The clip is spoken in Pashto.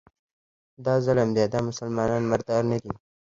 دا ظلم دی، دا مسلمانان مردار نه دي